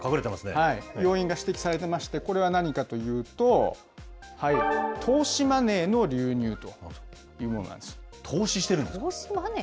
要因が指摘されてまして、これは何かというと、投資マネーの流入というものなんです。